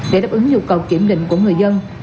để đáp ứng nhu cầu kiểm định của người dân